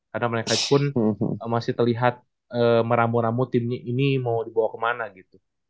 karena mereka pun masih terlihat meramu ramu tim ini mau dibawa kemana gitu